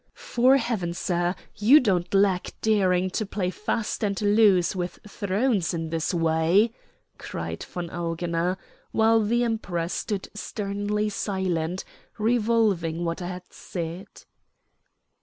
"'Fore Heaven, sir, you don't lack daring to play fast and loose with thrones in this way," cried von Augener; while the Emperor stood sternly silent, revolving what I had said.